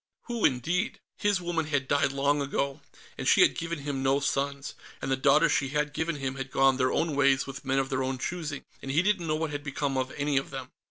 Who, indeed? His woman had died long ago, and she had given him no sons, and the daughters she had given him had gone their own ways with men of their own choosing and he didn't know what had become of any of them.